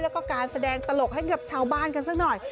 แล้วก็การแสดงตลกให้กับชาวบ้านกันสักหน่อย